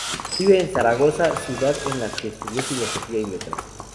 Vive en Zaragoza, ciudad en la que estudió Filosofía y letras.